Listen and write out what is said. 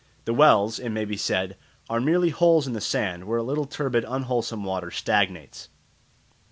The wells, it may be said, are merely holes in the sand where a little turbid unwholesome water stagnates.